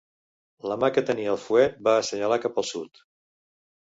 La mà que tenia el fuet va assenyalar cap al sud.